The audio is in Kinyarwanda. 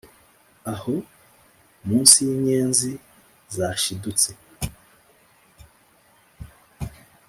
aho, munsi yinyenzi zashidutse,